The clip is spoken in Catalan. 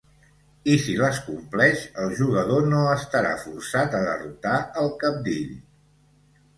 I si les compleix, el jugador no estarà forçat a derrotar el cabdill.